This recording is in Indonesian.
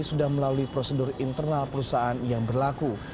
sudah melalui prosedur internal perusahaan yang berlaku